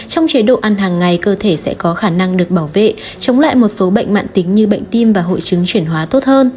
trong chế độ ăn hàng ngày cơ thể sẽ có khả năng được bảo vệ chống lại một số bệnh mạng tính như bệnh tim và hội chứng chuyển hóa tốt hơn